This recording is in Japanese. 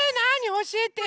おしえてよ！